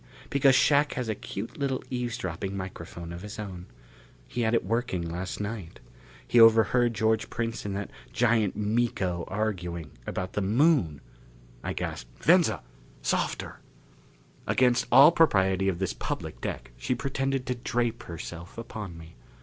Because Shac has a cute little eavesdropping microphone of his own. He had it working last night. He overheard George Prince and that giant Miko arguing about the Moon!" I gasped, "Venza! Softer " Against all propriety of this public deck she pretended to drape herself upon me.